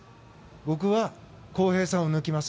僕は航平さんを抜きます。